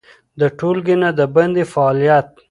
د ټولګي نه د باندې فعالیت